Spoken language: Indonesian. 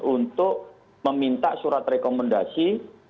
untuk meminta surat rekomendasi